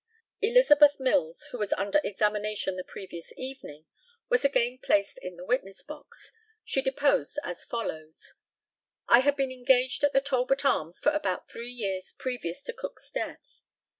Elizabeth Mills, who was under examination the previous evening, was again placed in the witness box. She deposed as follows: I had been engaged at the Talbot Arms for about three years previous to Cook's death.